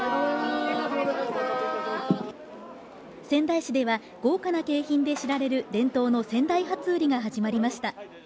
仙台市では豪華な景品で知られる伝統の仙台初売りが始まりました。